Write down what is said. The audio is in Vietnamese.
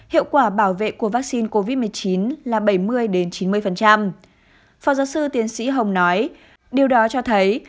hiệu quả bảo vệ của vaccine covid một mươi chín là bảy mươi chín mươi phó giáo sư tiến sĩ hồng nói điều đó cho thấy